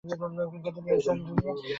কথা দিয়েছেন আপনি।